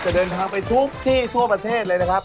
เดินทางไปทุกที่ทั่วประเทศเลยนะครับ